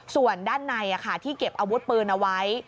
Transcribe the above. ส่วนด้านในที่เก็บอาวุธปืนเอาไว้